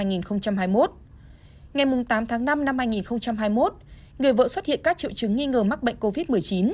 ngày tám tháng năm năm hai nghìn hai mươi một người vợ xuất hiện các triệu chứng nghi ngờ mắc bệnh covid một mươi chín